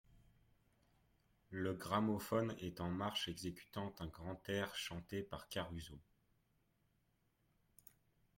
Le gramophone est en marche exécutant un grand air chanté par Caruso.